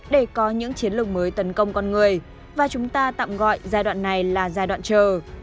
để có những chiến lược mới tấn công con người và chúng ta tạm gọi giai đoạn này là giai đoạn chờ